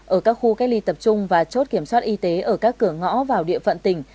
ở các khu cách ly tập trung và chốt kiểm soát y tế ở các cửa ngõ vào địa phận tỉnh